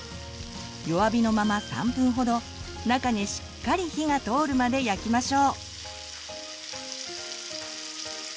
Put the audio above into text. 弱火のまま３分ほど中にしっかり火が通るまで焼きましょう！